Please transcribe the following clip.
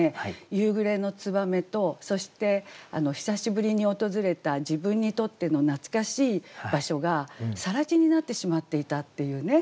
夕暮れの燕とそして久しぶりに訪れた自分にとっての懐かしい場所が更地になってしまっていたっていうね。